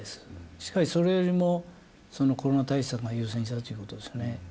しかし、それよりもそのコロナ対策が優先したということですね。